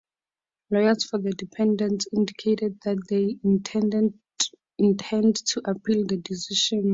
Lawyers for the defendants indicated that they intended to appeal the decision.